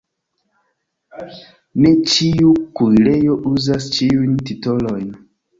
Ne ĉiu kuirejo uzas ĉiujn titolojn.